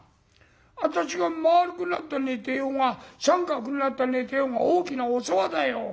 私がまあるくなって寝てようが三角になって寝てようが大きなお世話だよ。